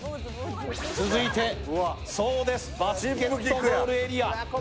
続いて、そうです、バスケゴールエリア。